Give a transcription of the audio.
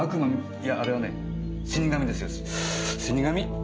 いやあれはね死に神ですよ死に神。